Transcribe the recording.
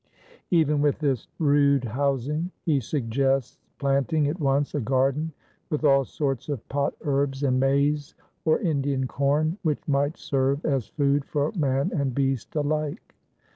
Even with this rude housing he suggests planting at once a garden with all sorts of pot herbs and maize, or Indian corn, which might serve as food for man and beast alike.